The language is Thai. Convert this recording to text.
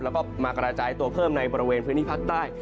แล้วก็มากระจายตัวเพิ่มในบริเวณพื้นที่ภาคใต้